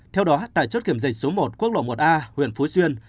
theo đó tại chốt kiểm dịch số một quốc lộ một a huyện phú xuyên